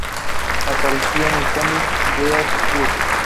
Apareció en el cómic "Deadwood".